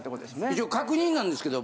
一応確認なんですけど。